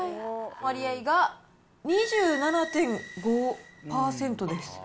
割合が２７．５％です。